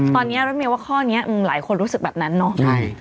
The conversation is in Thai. ตอนนี้รถเมย์ว่าข้อนี้หลายคนรู้สึกแบบนั้นเนาะ